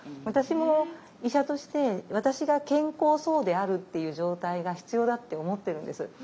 私も医者として私が健康そうであるっていう状態が必要だって思ってるんです。